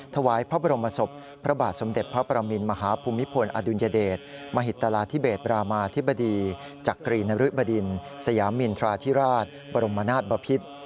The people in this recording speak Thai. ถวายพระบรมศพพระบาทสมเด็จพระประมินมหาภูมิพลอดุลยเดชมหิตราธิเบศบรามาธิบดีจักรีนริบดินสยามินทราธิราชบรมนาศบพิษ